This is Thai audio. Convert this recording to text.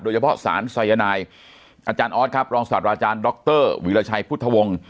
สารสายนายอาจารย์ออสครับรองศาสตราอาจารย์ดรวีรชัยพุทธวงศ์